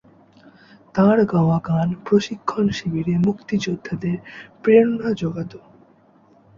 তাঁর গাওয়া গান প্রশিক্ষণ শিবিরে মুক্তিযোদ্ধাদের প্রেরণা যোগাতো।